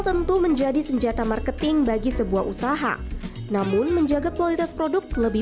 tentu menjadi senjata marketing bagi sebuah usaha namun menjaga kualitas produk lebih